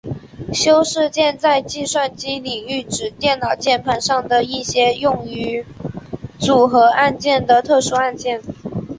修饰键在计算机领域指电脑键盘上的一些用于组合按键的特殊按键。